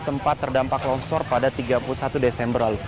tempat terdampak longsor pada tiga puluh satu desember lalu